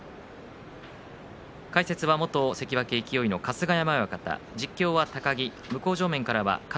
解説は元勢の春日山親方です。